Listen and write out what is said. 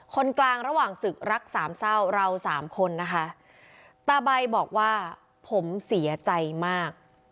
คนกลางระหว่างศึกรักสามเศร้าเราสามคนนะคะตาใบบอกว่าผมเสียใจมาก